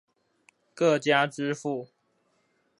各家支付